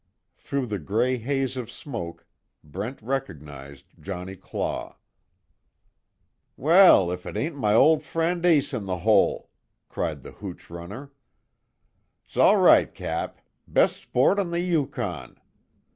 Through the grey haze of smoke, Brent recognized Johnnie Claw. "Well, if it ain't my ol' friend Ace In The Hole!" cried the hooch runner. "'S all right Cap! Best sport on the Yukon!"